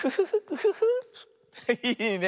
いいね。